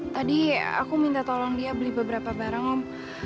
tadi aku minta tolong dia beli beberapa barang om